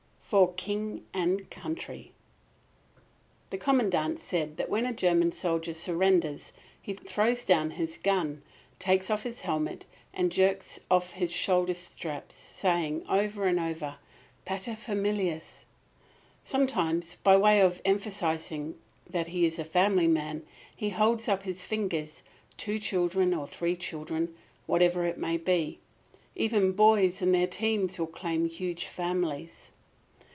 "For king and country!" The Commandant said that when a German soldier surrenders he throws down his gun, takes off his helmet and jerks off his shoulder straps, saying over and over, "Pater familias." Sometimes, by way of emphasising that he is a family man, he holds up his fingers two children or three children, whatever it may be. Even boys in their teens will claim huge families.